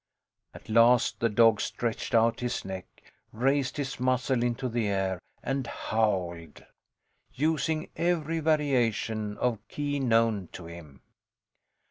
At last the dog stretched out his neck, raised his muzzle into the air and howled, using every variation of key known to him.